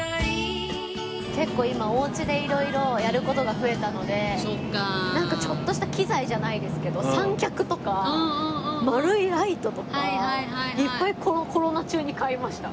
結構今おうちで色々やる事が増えたのでなんかちょっとした機材じゃないですけど三脚とか丸いライトとかいっぱいこのコロナ中に買いました。